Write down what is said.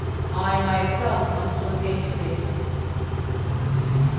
I myself must look into this."